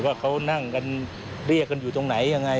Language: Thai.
ว่าเขานั่งกันเรียกกันอยู่ตรงไหนยังไง